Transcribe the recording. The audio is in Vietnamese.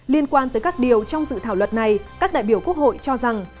liên quan tới các điều trong dự thảo luật này các đại biểu quốc hội cho rằng